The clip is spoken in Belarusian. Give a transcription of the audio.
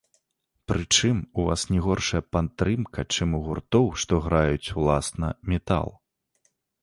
Прычым, у вас не горшая падтрымка, чым у гуртоў, што граюць, уласна, метал.